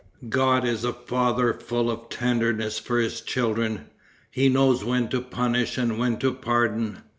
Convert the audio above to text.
"God is a Father full of tenderness for his children. He knows when to punish and when to pardon.